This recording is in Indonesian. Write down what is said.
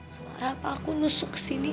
suara paku nusuk ke sini